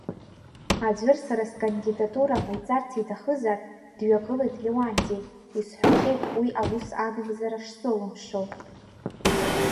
Аӡәыр сара скандидатура ҟаиҵарц иҭахызар, дҩагылеит Леуанти, исҳәахьеит уи аус анагӡара шсылымшо.